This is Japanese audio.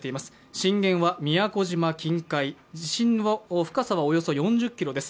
震源は宮古島近海、地震の深さはおよそ４０ｋｍです。